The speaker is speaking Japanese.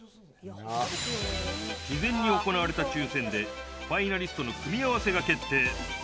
事前に行われた抽せんで、ファイナリストの組み合わせが決定。